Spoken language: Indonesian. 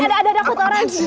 ini ini ada ada kotoran sih